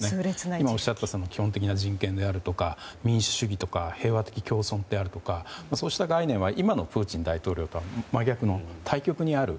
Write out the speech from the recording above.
今おっしゃった基本的な人権であるとか民主主義とか平和的共存であるだとかそうした概念は今のプーチン大統領とは真逆、対極にある。